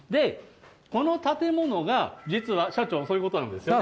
この建物が、実は社長、そういうことなんですよね。